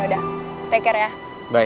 udah korea bye